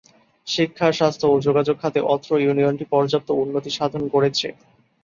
শিক্ষা, স্বাস্থ্য ও যোগাযোগ খাতে অত্র ইউনিয়নটি পর্যাপ্ত উন্নতি সাধন করেছে।